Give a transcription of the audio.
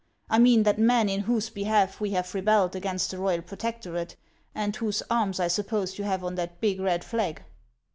I mean that man in whose behalf we have rebelled against the royal protec torate, and whose arms I suppose you have on that big red flag."